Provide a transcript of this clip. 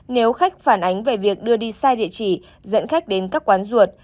nếu khách phản ánh về việc đưa đi sai địa chỉ dẫn khách đến các quán ruột